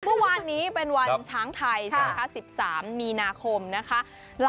เมื่อวานนี้เป็นวันช้างไทยใช่ไหมคะ๑๓มีนาคมนะคะ